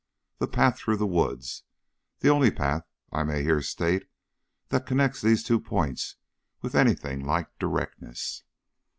the path through the woods; the only path, I may here state, that connects those two points with any thing like directness.